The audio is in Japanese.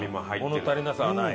物足りなさはない。